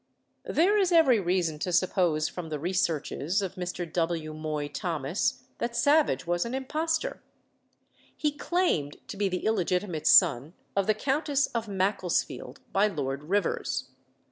There is every reason to suppose from the researches of Mr. W. Moy Thomas, that Savage was an impostor. He claimed to be the illegitimate son of the Countess of Macclesfield by Lord Rivers.